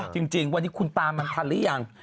จริงวันนี้คุณตามมันทันหรือยัง